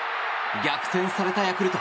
逆転されたヤクルト